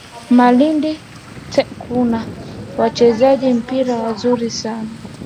Malindi kuna wachezaji mpira wazuri sana.